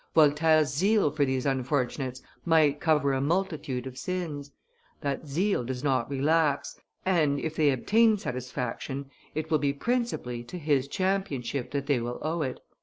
Voltaire's zeal for these unfortunates might cover a multitude of sins; that zeal does not relax, and, if they obtain satisfaction, it will be principally to his championship that they will owe it.